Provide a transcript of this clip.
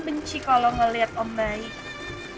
tapi kalau dia menitipkan dia akan menitipkan aku